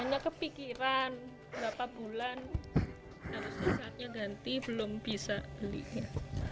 hanya kepikiran berapa bulan harusnya saatnya ganti belum bisa belinya